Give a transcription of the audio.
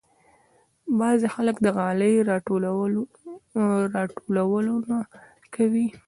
بعضې خلک د غالۍ راټولونه کوي.